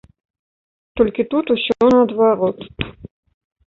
Толькі тут усё наадварот.